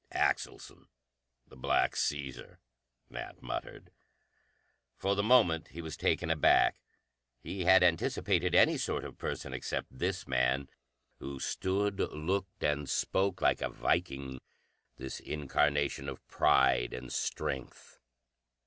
"Axelson the Black Caesar," Nat muttered. For the moment he was taken aback. He had anticipated any sort of person except this man, who stood, looked, and spoke like a Viking, this incarnation of pride and strength.